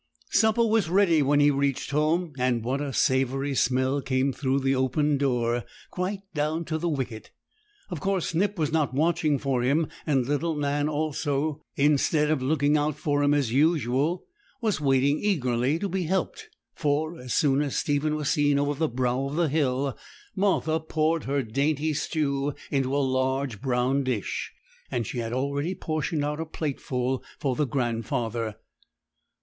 Supper was ready when he reached home; and what a savoury smell came through the open door, quite down to the wicket! Of course Snip was not watching for him; and little Nan also, instead of looking out for him as usual, was waiting eagerly to be helped; for, as soon as Stephen was seen over the brow of the hill, Martha poured her dainty stew into a large brown dish, and she had already portioned out a plateful for the grandfather.